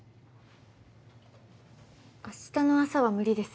明日の朝は無理です。